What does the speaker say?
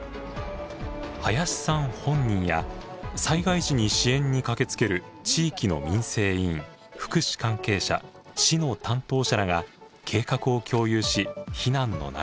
林さん本人や災害時に支援に駆けつける地域の民生委員福祉関係者市の担当者らが計画を共有し避難の流れを確認しました。